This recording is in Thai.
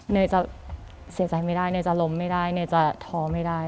เนยจะเสียใจไม่ได้เนยจะล้มไม่ได้เนยจะท้อไม่ได้